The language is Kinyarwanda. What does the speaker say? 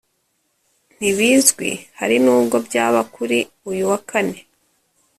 [Ntibizwi hari n’ubwo byaba kuri uyu wa kane]